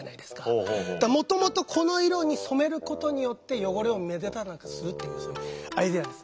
もともとこの色に染めることによって汚れを目立たなくするっていうそういうアイデアです。